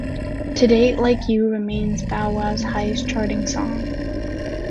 To date, "Like You" remains Bow Wow's highest charting song.